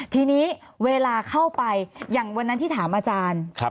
ทีนี้เวลาเข้าไปอย่างวันนั้นที่ถามอาจารย์